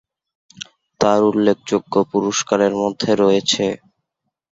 তাঁর উল্লেখযোগ্য পুরস্কারের মধ্যে রয়েছে-